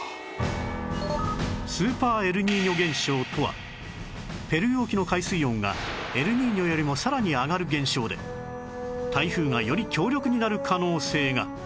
スーパーエルニーニョ現象とはペルー沖の海水温がエルニーニョよりもさらに上がる現象で台風がより強力になる可能性が